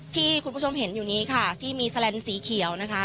ที่คุณผู้ชมเห็นอยู่นี้ค่ะที่มีแสลนสีเขียวนะคะ